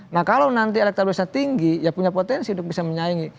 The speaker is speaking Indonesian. nah kalau nanti elektabilitasnya tinggi ya punya potensi untuk bisa menyaingi